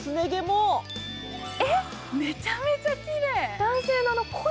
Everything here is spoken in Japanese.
えっ、めちゃめちゃきれい。